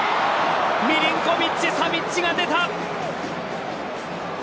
ミリンコヴィッチ・サヴィッチが出た。